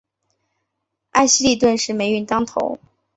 艾希莉顿时霉运当头。